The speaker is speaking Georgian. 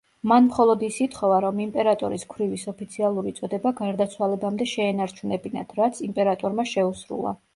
მან მხოლოდ ის ითხოვა, რომ იმპერატორის ქვრივის ოფიციალური წოდება გარდაცვალებამდე შეენარჩუნებინათ, რაც იმპერატორმა შეუსრულა.